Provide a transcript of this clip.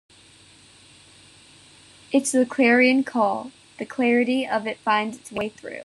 It's the clarion call, the clarity of it finds its way through.